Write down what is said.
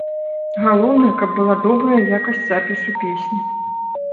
Галоўнае, каб была добрая якасць запісу песні.